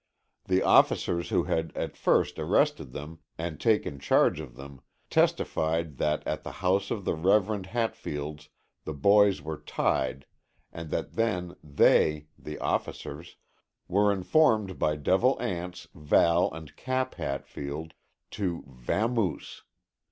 The officers who had at first arrested them and taken charge of them, testified that at the house of the Reverend Hatfield's the boys were tied, and that then they, the officers, were informed by Devil Anse, Val and Cap Hatfield, to "vamoose."